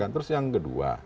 terus yang kedua